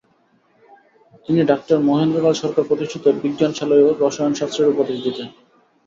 তিনি ডা.মহেন্দ্রলাল সরকার প্রতিষ্ঠিত বিজ্ঞানশালায়ও রসায়নশাস্ত্রের উপদেশ দিতেন।